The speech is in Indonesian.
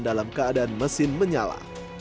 dalam keadaan mesin menyala